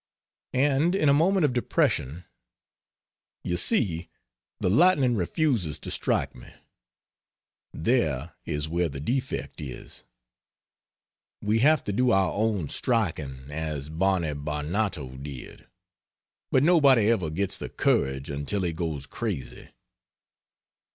And, in a moment of depression: "You see the lightning refuses to strike me there is where the defect is. We have to do our own striking as Barney Barnato did. But nobody ever gets the courage until he goes crazy."